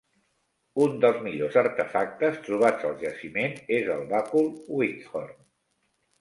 Un dels millors artefactes trobats al jaciment és el bàcul Whithorn.